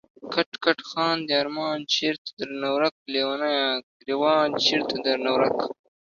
کټ کټ خاندی ارمان چېرته درنه ورک ليونيه، ګريوان چيرته درنه ورک